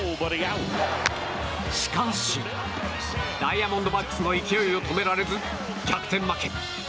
しかし、ダイヤモンドバックスの勢いを止められず逆転負け。